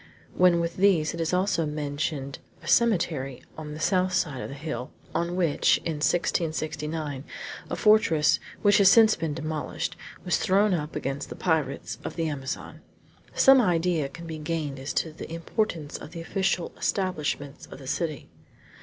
When with these is also mentioned a cemetery on the south side of a hill, on which, in 1669, a fortress, which has since been demolished, was thrown up against the pirates of the Amazon, some idea can be gained as to the importance of the official establishments of the city.